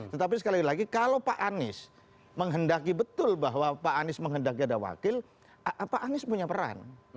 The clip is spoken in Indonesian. tetapi sekali lagi kalau pak anies menghendaki betul bahwa pak anies menghendaki ada wakil pak anies punya peran